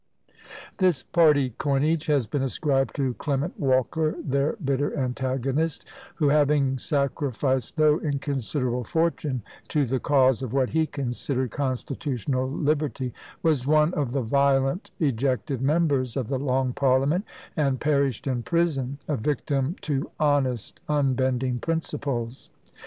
This party coinage has been ascribed to Clement Walker, their bitter antagonist; who, having sacrificed no inconsiderable fortune to the cause of what he considered constitutional liberty, was one of the violent ejected members of the Long Parliament, and perished in prison, a victim to honest, unbending principles.